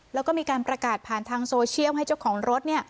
แล้วก็มีการประกาศผ่านทางโซเชียลให้เจ้าของรถ